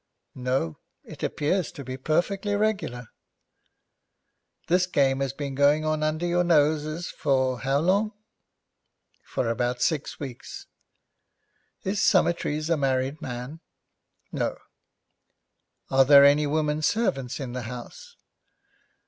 'No. It appears to be perfectly regular.' 'This game has been going on under your noses for how long?' 'For about six weeks.' 'Is Summertrees a married man?' 'No.' 'Are there any women servants in the house?'